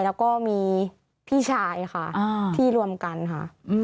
แล้วก็มีพี่ชายค่ะที่รวมกันค่ะ